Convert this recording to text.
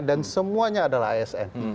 dan semuanya adalah asn